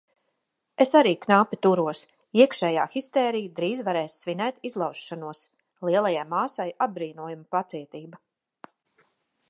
Es arī knapi turos, iekšējā histērija drīz varēs svinēt izlaušanos... Lielajai māsai apbrīnojama pacietība.